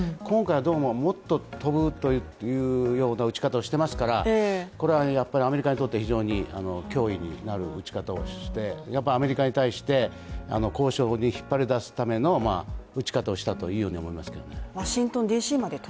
今回はどうも、もっと飛ぶというような撃ち方をしてますから、これはやっぱりアメリカにとって非常に脅威になる撃ち方をしてアメリカに対して、交渉に引っ張り出すための撃ち方をしたと思いますけれどもね。